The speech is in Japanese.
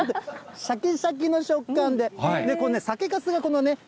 しゃきしゃきの食感で、これね、酒かすがね、この芽